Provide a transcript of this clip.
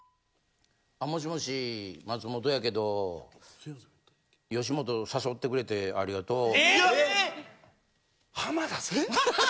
あ、もしもし松本やけどよしもと誘ってくれてありがとう。